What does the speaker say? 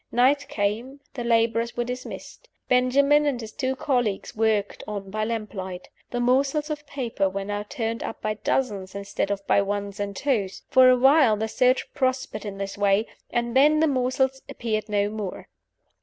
Night came; the laborers were dismissed; Benjamin and his two colleagues worked on by lamplight. The morsels of paper were now turned up by dozens, instead of by ones and twos. For a while the search prospered in this way; and then the morsels appeared no more.